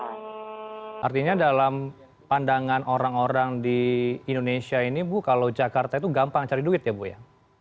artinya dalam pandangan orang orang di indonesia ini bu kalau jakarta itu gampang cari duit ya bu ya